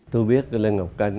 tôi biết lê ngọc canh